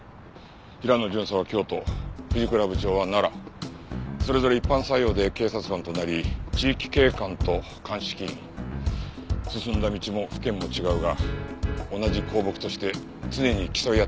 平野巡査は京都藤倉部長は奈良それぞれ一般採用で警察官となり地域警官と鑑識進んだ道も府県も違うが同じ公僕として常に競い合っていたようだ。